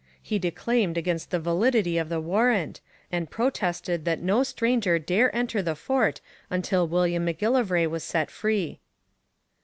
He declaimed against the validity of the warrant, and protested that no stranger dare enter the fort until William M'Gillivray was set free.